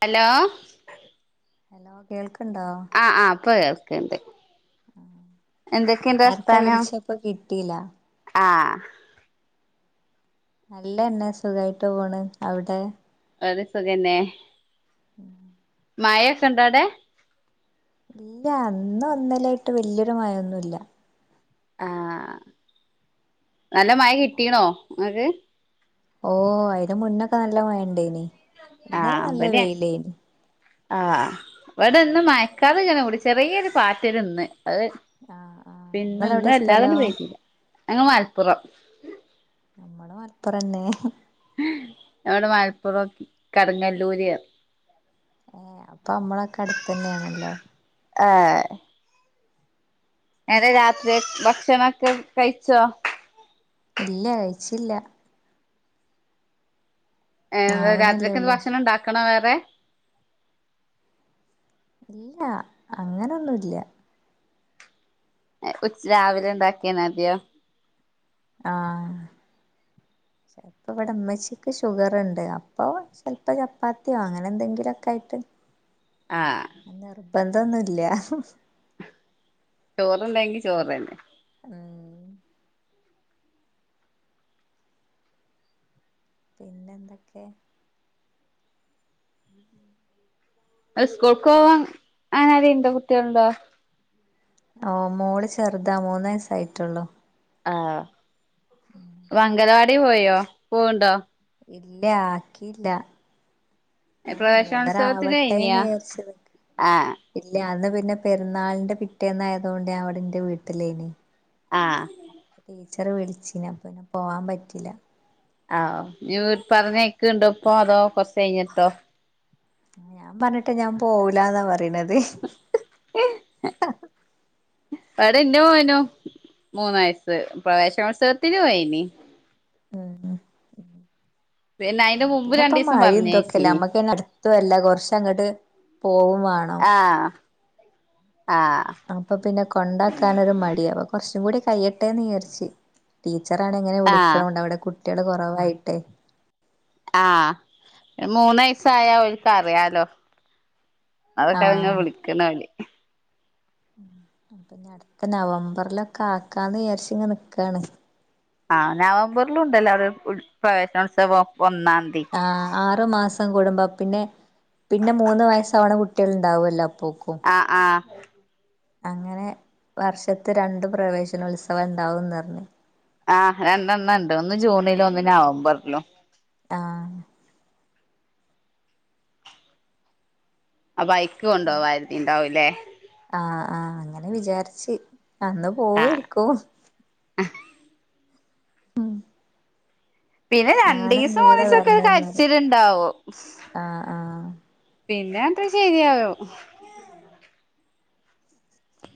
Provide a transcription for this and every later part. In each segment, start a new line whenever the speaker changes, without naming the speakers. Hello
hello കേൾക്കാ
ആ ആ അപ്പ [unintelligible] എന്തൊക്കെയ്ണ്ട്
നേരത്തെ
വർത്താനം
വിളിച്ചപ്പോ കിട്ടിയില്ല
ആ
നല്ലന്നെ സുഖായിട്ട് പോണ് അവിടെ?
[unintelligible] സുഖന്നെ മഴൊക്കെ ഇണ്ടോടെ
ഇല്ല ഇന്ന് ഇന്നലേയ്ട്ട് വല്യൊരു മഴൊന്നുല്ല
ആ നല്ല മഴ കിട്ടീണോ ങ്ങക്ക്
ഓ അയ്ന്റെ മുന്നൊക്കെ നല്ല മഴ ഇണ്ടയ്നി ഇന്നലെ നല്ല വെയ്ലേനി
ആ ഇവടെന്ന് മയക്കാറിങ്ങനെ മൂടി ചെറിയൊരു പാറ്റല്ന്ന് അതെ
ആഹ് ആഹ്
പിന്നെ ഇന്ന്
ഇങ്ങളെവിടെ സ്ഥലോ
വെല്ലാതണ്ട് പെയ്തീല ഞങ്ങ മലപ്പുറം
പ്പുറന്നേ
ഞങ്ങ ഇവടെ മലപ്പുറം കടങ്ങല്ലൂരെ
ഏ അപ്പൊ നമ്മളൊക്കെ അടുത്തേ ന്നെണല്ലോ
ആ [unintelligible] രാത്രി ഭക്ഷണൊക്കെ കഴിച്ചോ
ഇല്ല കഴിച്ചില്ല
ഏ
ആവണല്ലേ
രാത്രിയൊക്കെന്ത്
ഉള്ളൂ
ഭക്ഷണം ഇ ണ്ടാക്കണോ വേ [unintelligible]
ഇല്ല അങ്ങനൊന്നുല്ല
ഉച്ച് രാവിലെണ്ടാക്കിയന്നെതിയോ
ആ ചെൽപ്പോ ഇവിടമ്മച്ചിക്ക് ഷുഗർണ്ട് അപ്പോ ചെൽപ്പ ചപ്പാത്തിയോ അങ്ങനെ എന്തെങ്കിലൊക്കെയ്ട്ട്
ആ
ഇപ്പന്തൊന്നുല്ല
ചോറുണ്ടെങ്കി ചോറന്നെ
ഉം പിന്നെ ന്തൊക്കെ
സ്കൂൾക്കോകാൻ അ അങ്ങനെരേലും ഇണ്ടോ കുട്ട്യയളുണ്ടോ
ഓ മോള് ചെർതാ മൂന്നയ്സ്സായി ട്ടൊള്ളു
ആ വംഗനവാ ടി പോയോ പോവ്ണ്ടോ?
ഇല്ല ആക്കീല്ല ആ മൂന്നര
പ്രവേശനോത്സവത്തിന് കഴിഞ്ഞിയാ
ആവട്ടേന്ന്‌യാര്ച്ച് നിക്ക
ആഹ്
ഇല്ല അന്ന് പി പിന്നെ പെരുന്നാൾന്റെ പിറ്റേന്നായ തോണ്ട് അവടെ എന്റെവീട്ടിലേനി
ആ
ടീച്ചറ് വിളിച്ചീനി അപ്പൊ ഞാൻ പോവാൻ പറ്റീല്ല
ആ ഇഞ്ഞ് പറഞ്ഞയ്ക്ക്ണ്ടോപ്പോ അതോ കൊർച്ചയ്ഞ്ഞിട്ടോ
ഞാൻ പറഞ്ഞ്ട്ട് ഞാൻ പോവൂലന്നാ പറയ്ണത്
അവര് ഇന്നു പോയീനു മൂന്നു വയസ്സ് പ്രവേശനോത്സവത്തിന് പോയിനി
മ് മ്
പിന്നെ അയ്ന്റെ മുമ്പ് രണ്ടീസം പറഞ്ഞയ്ച്ചീനി
ത്തു അല്ല കൊറച്ചങ്ങട്ട് പോവും വാണം
ആഹ് ആഹ്
അപ്പൊ പിന്നെ കൊണ്ടാക്കാന് ഒരു മടി ആവും കൊറച്ചും കൂടി കഴിയട്ടെന്ന് വിചാരിച്ച് ടി ച്ചറാണെ ഇങ്ങനെ
ആഹ്
വിളിക്ക്ണുണ്ട് അവിടെ കു ട്ടികള് കൊറവായിട്ടേ
ആ മൂന്നുവയസ്സായ ഓൽക്ക്‌ അറിയാലോ അതൊക്കെ [unintelligible] വിളിക്ക്ന്ന് അവല്
അപ്പൊ അടുത്ത നവംബറിലൊക്കെ ആക്കാന്ന് വിചാരിച്ചിങ്ങ നിക്കാണ്
ആ നവംബറിലും ഉണ്ടലെ അവിടെ പ്രവേശനോത്സവം ഒന്നാം തീയതി
ആ ആറു മാസം കൂടുമ്പം പിന്നെ പിന്നെ മൂന്ന് വയസ്സാവ്ണ കുട്ട്യാകൾ ഇണ്ടാവല്ലോ
ആ ആ
അങ്ങനെ വർഷത്ത് രണ്ടു പ്രവേശന ഉത്സവം ഉണ്ടാവുംന്ന് പറഞ്ഞ്
ആ രണ്ടെണ്ണം ഉണ്ട് ഒന്ന് ജൂണിലും ഒന്ന് നവംബറിലും
ആഹ്
അപ്പൊ അയ്ക്ക് കൊണ്ടാവാന്ന് കരുതീട്ട് ഇണ്ടാവുല്ലെ
ആ ആ അങ്ങനെ വിചാരിച്ച് അന്ന്
ആഹ്
പോവായ്ക്കും [unintelligible] മ്
പിന്നെ രണ്ടീസം മൂന്നീസക്കെ ഒരു
വരണംന്ന് പറയും
കരിച്ചിൽ ഇണ്ടാവും
ആഹ് ആഹ്
പിന്നെ അത് ശരിയാവും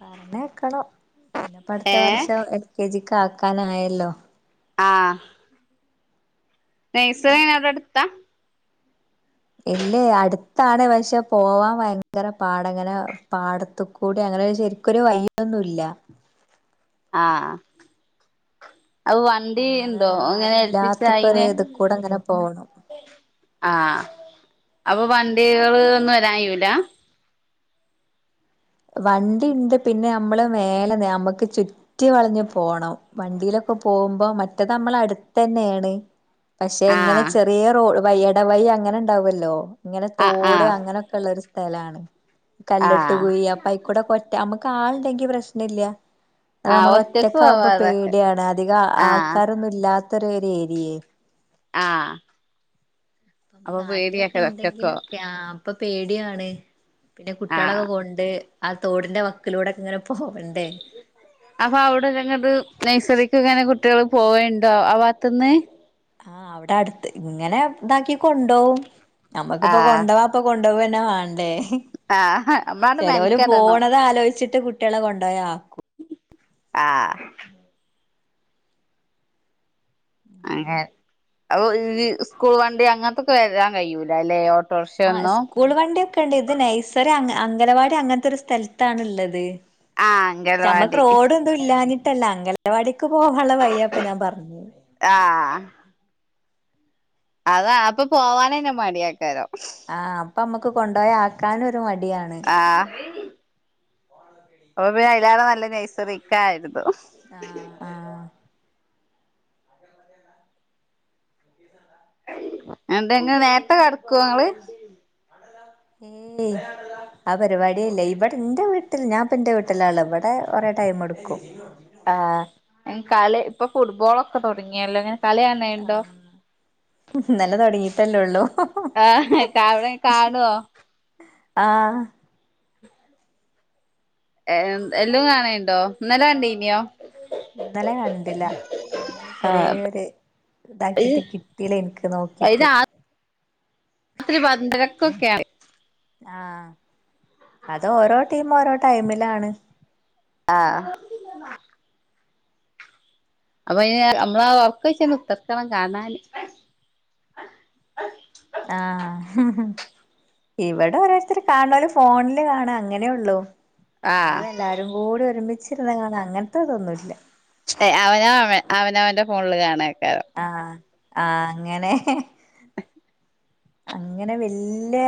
പറഞയ്ക്കണം പിന്നെ അടുത്ത
ഏഹ്
വർഷം എൽ കെ ജിക്ക് ആക്കാനായല്ലോ
ആ നേഴ്സറി അവിടെ അടുത്താ
ഇല്ലേ അടുത്താണ് പക്ഷെ പോവാൻ ഭയങ്കര പാടങ്ങനെ പാടത്ത് കൂടി അങ്ങനെ ശരിക്കൊരു വഴി ഒന്നും ഇല്ല
ആ [unintelligible] അപ്പൊ വണ്ടി
അങ്ങനെ
ഇണ്ടോ
ഒരു
അങ്ങനെ ഏൽപ്പിച്ച
ആരുല്ലാത്തൊക്കെ ഒരു
അയിന്
ഇത് കൂടെ അങ്ങനെ പോണം
ആ അപ്പൊ വണ്ടികള് ഒന്നും വരാൻ കഴിയൂല
വണ്ടി ഇണ്ട് പിന്നെ നമ്മള് മേലെ നമ്മുക്ക് ചുറ്റി വളഞ്ഞു പോണം വണ്ടിയിലൊക്കെ പോവുമ്പോ മറ്റേത് നമ്മള അടുത്ത തന്നെയാണ് പക്ഷെ ഇങ്ങനെ
ആഹ്
ചെറിയ റോ വഴി ഇടവഴി അങ്ങനെ ഉണ്ടാവല്ലോ ഇങ്ങനെ
ആഹ്
തോട്
ആഹ്
അങ്ങനെയൊക്കെ ഉള്ളരു സ്ഥ സ്ഥലാണ് കല്ലെട്ട്
ആഹ്
കുഴി അപ്പ് കൊറ്റമ് ഇങ്ങക്കാളെണ്ടെങ്കി പ്രശ്നല്ലാ അഹ്
ആഹ്
നമ്മള്
ഒറ്റക്ക്
ഒറ്റക്ക
പോവാ
ആകുമ്പോ
അതൊക്കെ
പേടിയാണ് അധികം
ആഹ്
ആൾക്കാരൊന്നും ഇല്ലാ ത് [unintelligible] ഏരിയെ
ആഹ് അപ്പൊ
ത് ആരെങ്കിലൊക്കെ
പേടിയാക്ക ഒറ്റക്കോ
ഉണ്ടെങ്കിലൊക്കെ ആ അപ്പൊ പേടിയാണ് പിന്നെ
ആഹ്
കുട്ട്യേളൊക്കെ കൊണ്ട് ആ തോടിന്റെ വക്കിലൂടെക്ക ഇങ്ങനെ പോവണ്ടേ
അപ്പൊ അവിടെല്ലങ്ങത് നെഴ്സറി ക്ക്ഇങ്ങനെ കുട്ടികൾ പോവേണ്ടാ ആ വാത്ത്ന്ന്
ആ അവിടെ അടുത്ത് ഇങ്ങനെ ഇതാക്കി കൊണ്ടോവും നമുക്കിപ്പൊ
ആഹ്
കൊണ്ടാവാപ്പൊ [unintelligible] പ് ന്നെ വേണ്ടേ
ആഹ് നമ്മളാണ്ട്
ചെലോരു
മെനക്കെടണം
പോണത് ആലോചിച്ചിട്ട് കു കുട്ടികളെ കൊണ്ടോയാ
ആ അങ്ങനെ [unintelligible] സ്കൂൾ വണ്ടി അങ്ങനത്തൊക്കെ വരാൻ കഴിയൂല അല്ലെ
ആ സ്കൂൾ വണ്ടിക്കെ ഉണ്ട് ഇത് നൈസറി അംഗനവാടി അങ്ങനത്തെ ഒരു സ്ഥലത്താണ് ഇള്ളത്
ആഹ്
ചമ്മക്ക്
അംഗൽവാടി
റോഡ് ഒന്നും ഇല്ലാന് ട്ടല്ല അംഗനവാടി ക്ക് പോകാനുള്ള വയ്യപ്പാ ഞാൻ പറഞ്ഞത്
അത അപ്പൊ പോവാനന്നെ മടിയേ ക്കാരം
ആ അപ്പൊ നമ്മുക്ക് കൊണ്ട യാ ക്കാനും ത്‌മടിയാണ്
ആഹ് അപ്പൊ പിന്നെ അയിലാറ നല്ലത് നൈസറിക്കായിരുന്നു
ആഹ് ആഹ്
എന്തെങ്ങ നേരത്തെ കടക്കൊ ങ്ങള്
ഏയ് ആ പരിപാട്യേല്ല ഇബടെ ഇന്റെ വീട്ടിൽ ഞാൻപ്പന്റെ വീട്ടിലാള്ളെ ഇവിടെ കുറേ ടൈം എടുക്കും
ആ കളി ഇപ്പൊ ഫുട്ബോളൊക്കെ തുടങ്ങിയല്ലേ
ആ ഇന്നലെ തുടങ്ങി അല്ലെ ഉള്ളൂ
ആഹ് അവിടെ കാണുവോ
ആഹ്
എല്ലാം ഇളയ വാവ ഉണ്ടോ ഇന്നല കണ്ടോ
ഇന്നലെ കണ്ടില്ല ഇന്നലെ ചെറിയൊരു ഇതാക്കിട്ട് കിട്ടീല്ല എനിക്ക് നോക്കിട്ട്
അയിന് രാത്രി പത്തിരക്കൊക്കെ
ആഹ് അത് ഓരോ ടീം ഓരോ ടൈമിലാണ്
ആഹ് അപ്പൊ അ നമ്മള് അവർക്ക് വെച്ചന്ന് ഉത്തർക്കണം കാണാന്
ആഹ് ഹിഹിഹി ഇവിടെ ഓരോരുത്തര് കാണും ഫോണില് കാണം അങ്ങനെ ഉള്ളു
ആഹ്
അല്ലാതെ എല്ലാരും കൂടി ഒരുമിച്ച് ഒരുമിച്ചു കാണൽ അങ്ങനത്തെതൊന്നുമില്ല
അവനവൻ്റെ ഫോണില് കാണും
ആഹ് ആഹ് അങ്ങനെ [inaudible] അങ്ങനെ വല്യ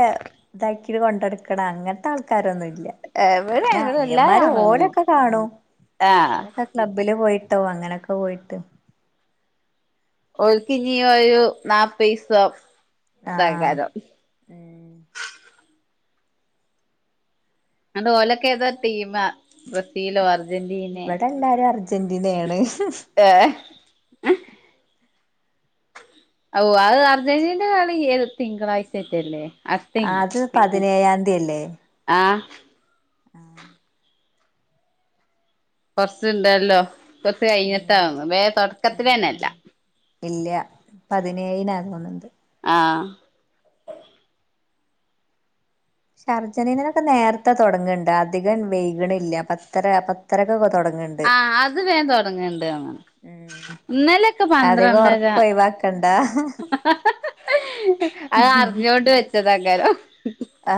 ഇതാക്കിട്ട് കൊണ്ടെടുക്കണം അങ്ങനത്തെ ആൾക്കാരൊന്നും ഇല്ല ഇല്ല
ഇവിടെ
പിന്നെ
ഇവിടെ എല്ലാരും
അനിയന്മാര്
കാണൊന്നും
ഓരൊക്കെ കാണൂ
ആഹ്
ഓരൊക്കെ ക്ലബ്ബില് പോയി അങ്ങനെയൊക്കെ പോയിട്ട്
ഓല്ക്ക് ഇനീ ഒരു നാൽപ്പത് ദിവസം
ആഹ്
താകാരം
ഉം
[unintelligible] ആണ്ട് ഓലൊക്കെ ഏതാ ടീം ബ്രസീലോ അർ
ഇവിടെ എല്ലാരും അർജ അർജന്റീനയാണ്
ഏ [inaudible] ഓ അത് അർജന്റീനന്റെ കളി ഏ തിങ്കളാഴ്ചേറ്റെ അല്ലെ
അത് പതിനേഴാംതിയല്ലേ
ആഹ്
ആഹാ
കൊറച്ച് ഇണ്ടല്ലോ കൊറച്ച്
ഉം
കഴിഞ്ഞിട്ടാതോന്ന്
ഉം
തൊടക്കത്തിലെന്നെ
ഉം
ഇല്ല
ഇല്ല പതിനേഴിനാ തോന്നുന്നുണ്ട്
ആ
പക്ഷെ അർജന്റീനനൊക്കെ നേരത്തെ അധികം വൈക്ണില്ല പത്തര പത്തരക്കൊക്കെ തൊടങ്ങ്
ആ അത് വേഗം തൊടങ്ങ്ണ്ട് തോന്ന്ണ്
ഉം
ഇന്നലൊക്കെ
അധികം
പന്ത്രണ്ടര
ഉറക്കം ഒഴിവാക്കണ്ട
അത് അറിഞ്ഞോണ്ട് വെച്ച് താക്കാരം
ആ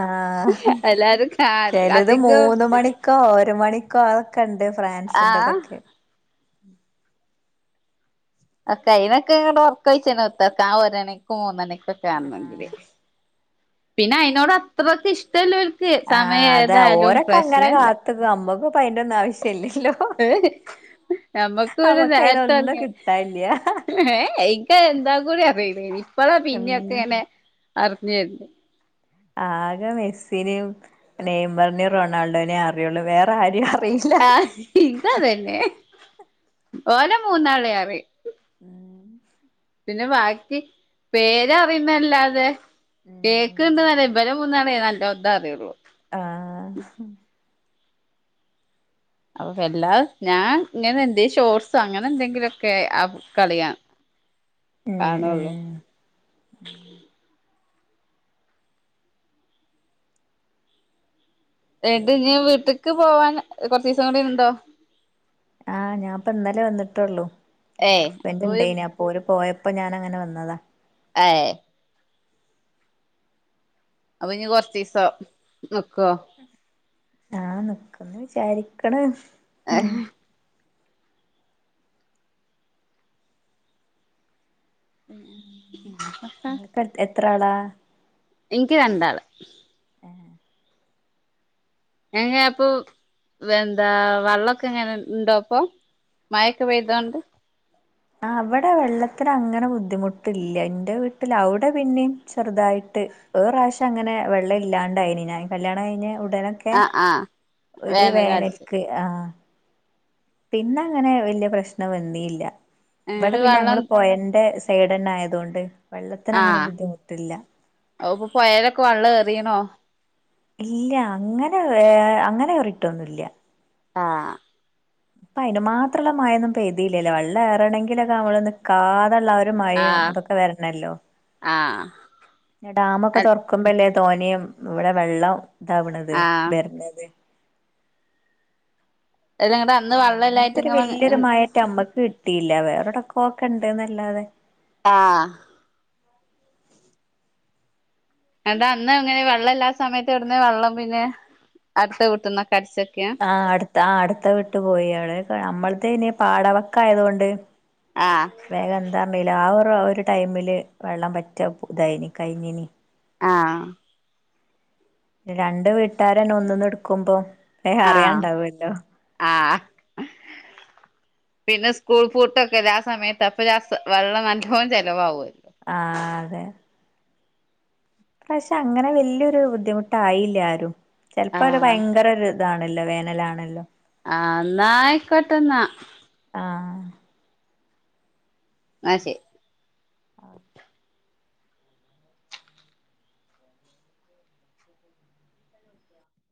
ചെലത്
അധികം
മൂന്ന്
ഇതില്
മണിക്കോ ഒരു മണിക്കോ കണ്ട്
ആഹ്
ഫ്രാൻസിന്റെതൊക്കെ
ആ കയ്യിണൊക്കെ ണ്ങ്ങട്ട് ഒറക്കൊയച്ച് ണ് ത്തുർക്ക ഒരണിക്കും മൂന്നണിക്കും ഒക്കെ ആണെങ്കില് പിന്നെ അയ്നോട്‌ അത്രക്കിഷ്ടല്ലോൽ
ആഹ് അതെ ഓരക്ക അങ്ങന കാത്ത് ക്കും അമ്മകും
നമ്മക്ക
നമ്മക്ക് അയിന്നൊന്നും കിട്ടാനില്ല
[unintelligible] എന്താ കൂടി അറിയില്ല ഇപ്പഴാ
ഉം
പിന്നെയൊക്കെ ഇങ്ങനെ അറിഞ്ഞേ
ആകെ മെസ്സിനെയും നെയ്മറിനെയും റൊണാൾഡോനേ അറിയുള്ളൂ വേറെ ആരെയും അറ്
ആഹ് ഇത് അതന്നെ ഓലെ മൂന്നാളേം അറിയും
ഉം
പിന്നെ ബാക്കി പേര് അറിയുന്നല്ലാതെ കേക്കണ്ടല്ലേ ഇബരെ മൂന്നാളേം ന [unintelligible] അറിയുള്ളു
ആഹ്
അപ്പൊ വല്ലാ ഞാൻ ഇങ്ങനെ എന്തേ ഷോർസ് അങ്ങനെ എന്തെങ്കിലുംക്കെ ആ കളിയാണ്
ഉം ഉം
കാണുള്ളൂ [unintelligible] വീട്ട്ക്ക് പോവാന കൊർച്ചീസം കൂടി ണ്ടോ
ആഹ് ഞാൻ പ്പ ഇന്നലേ വന്നിട്ടോള്ളൂ അവടെ
ഏയ്
ഹസ്ബൻഡ്
അപ്പൊ
ഉണ്ടേനു അപ്പോര് പോയ അപ്പൊ ഞാൻ അങ്ങനെ വന്നതാ
ഏ അപ്പൊ ഇനി കൊറചീസം നി ക്കൊ
ആഹ് നിക്കൂന്ന് വിചാരിക്കണ് മ് [unintelligible] എത്രാള
ഇൻക്ക് രണ്ടാള് എങ്ങ അപ്പൊ എന്താ വള്ളൊക്കെ എങ്ങനെ ഇണ്ടോ പ്പോ മഴൊക്കെ പെയ്തോണ്ട്
ആ ഇവിടെ വെള്ളത്തിന് അങ്ങനെ ബുദ്ധിമുട്ടില്ല എന്റെ വീട്ടിൽ അവിടെ പിന്നെയും ചെറുതായിട്ട് ഒരു പ്രാവശ്യം അങ്ങനെ വെള്ളം ഇല്ലാണ്ടായിന് ഞാൻ കല്യാണം കഴിഞ്ഞ ഉടനൊക്കെ
ആഹ് ആഹ്
ഒരു
വേനൽക്കാലത്ത്
വേനൽക്ക് ആ പിന്ന അങ്ങനെ വല്യ പ്രശ്നം വന്നീല്യ ഇവിടെ
എന്നിട്ട്
പിന്നെ
വെള്ളം
ങ്ങള് പോയന്റെ സൈഡന്ന ആയതുകൊണ്ട് വെള്ളത്തിന് അങ്ങനെ ബുദ്ധിമുട്ടില്ല
ആഹ്അഇപ്പൊ പുയലൊക്കെ വള്ള ഏറീണോ
ഇല്ല അങ്ങനെ ഏ അങ്ങനെ ഏറീട്ടൊന്നുംല്ല
ആഹ്
പ്പൊ അയിന് മാത്രമുള്ള മഴൊന്നും പെയ്തീല്ലല്ലേ വെള്ള ഏറണങ്കിലൊക്കെ നമ്മളൊന്ന് കാതെള്ള ആ ഒരു മഴയും
ആഹ്
അതൊക്കെ വരണല്ലോ
ആഹ്
ഡാമൊക്കെ തുറക്കുമ്പൊല്ലേ തോനെയും ഇവിടെ വെള്ളം ഇതാവണത്
ആഹ്
വരണത്
എല്ല ആടെ അന്ന് വെള്ളല്ലായിട്ട്
അങ്ങനത്തൊരു
ഇങ്ങള്
വല്യൊരു
എ-
മഴായിട്ട് നമ്മക്ക് കിട്ടിയില്ല വേറെടക്കൊക്ക് ഇണ്ട്ന്നല്ലാതെ
ആ എന്താ അന്ന് ങ്ങനെ വെള്ളം എല്ലാ സമയത്ത്ടന്ന് വെള്ളം പിന്നെ അടുത്ത് കുട്ടുന്ന
ആ അട്ത്ത ആ അട്ത്ത വീട്ട് പോയി [unintelligible] യാണ്നമ്മളത തെയിനി പാടവക്കായതോണ്ട്
ആഹ്
വേഗന്താ നിലാവ് ആ ഒരു ടൈമില് വെള്ളം പറ്റെ പു തൈനി കഴിഞ്ഞീനി
ആഹ്
രണ്ട് വീട്ട് ട്ടാരന്നെ ഒന്ന്ന്ന്ട്ക്കുമ്പോ ഏ
ആഹ്
അറിയാണ്ടാവ്‌ല്ലോ
ആഹ് പിന്നെ സ്കൂൾ പൂട്ടൊക്കെല്ലെ ആ സമയത്ത് വെള്ളം നല്ലോം ചെലവാവ
ആ അതെ പക്ഷെ അങ്ങനെ വല്ല്യരു ബുദ്ധിമുട്ടായീല ആരും ചെല്പ്പ്പടെ
ആഹ്
ഭയങ്കരൊത് താണല്ലൊ വേനലാണല്ലൊ
ആഹ് ന്നായ്കോട്ടന്നാ
ആഹ്
മാഷെ
ആക്കെ